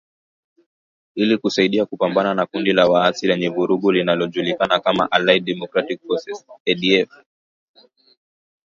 Ili kusaidia kupambana na kundi la waasi lenye vurugu linalojulikana kama Allied Democratic Forces (ADF)